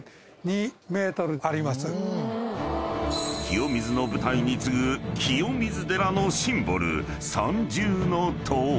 ［清水の舞台に次ぐ清水寺のシンボル］